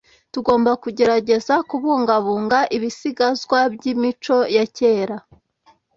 tugomba kugerageza kubungabunga ibisigazwa byimico ya kera